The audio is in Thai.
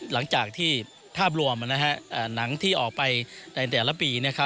หลังจากที่ภาพรวมหนังที่ออกไปในแต่ละปี